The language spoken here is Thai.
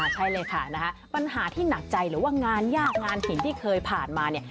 ใช่เลยค่ะปัญหาที่หนักใจหรือว่างานยากงานหินที่เคยผ่านมาเนี่ย